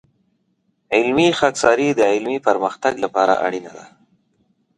علمي خاکساري د علمي پرمختګ لپاره اړینه ده.